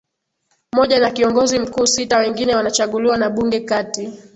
moja na Kiongozi Mkuu sita wengine wanachaguliwa na bunge kati